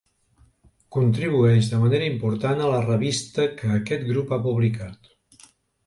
Contribueix de manera important a la revista que aquest grup ha publicat.